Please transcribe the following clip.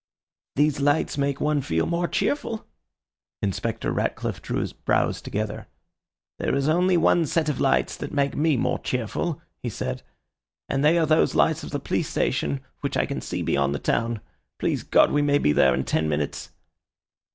"These lights make one feel more cheerful." Inspector Ratcliffe drew his brows together. "There is only one set of lights that make me more cheerful," he said, "and they are those lights of the police station which I can see beyond the town. Please God we may be there in ten minutes."